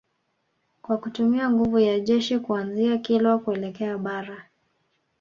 Kwa kutumia nguvu ya jeshi kuanzia Kilwa kuelekea Bara